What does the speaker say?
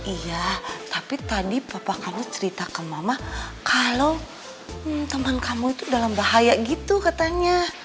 iya tapi tadi papa kamu cerita ke mama kalau teman kamu itu dalam bahaya gitu katanya